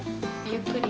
ゆっくり。